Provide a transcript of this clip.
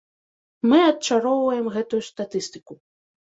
Мы адчароўваем гэтую статыстыку.